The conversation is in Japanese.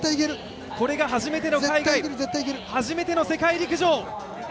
これが初めての海外、初めての世界陸上。